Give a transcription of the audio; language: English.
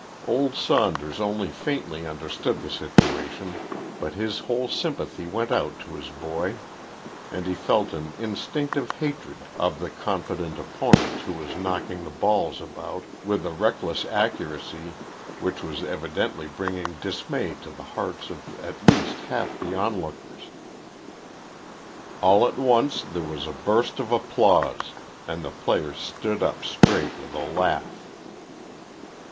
Old Saunders only faintly understood the situation, but his whole sympathy went out to his boy, and he felt an instinctive hatred of the confident opponent who was knocking the balls about with a reckless accuracy which was evidently bringing dismay to the hearts of at least half the onlookers. All at once there was a burst of applause, and the player stood up straight with a laugh.